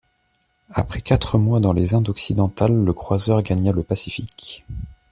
Après quatre mois dans les Indes occidentales, le croiseur gagna le Pacifique.